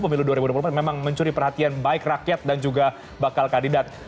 pemilu dua ribu dua puluh empat memang mencuri perhatian baik rakyat dan juga bakal kandidat